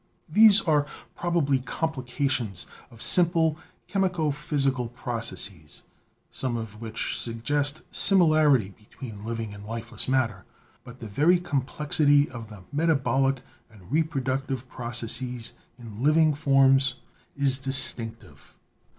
These are probably compli cations of simple chemico physical processes, some of which suggest similarity between living and lifeless mat ter, but the very complexity of the metabolic and repro ductive processes in living forms is distinctive.